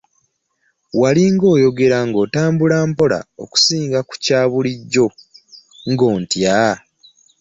Walinga oyogera ong’otambula mpola okusinga ku kya bulijjo ong’otya?